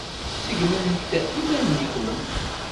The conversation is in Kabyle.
Seggmemt iman-nkent.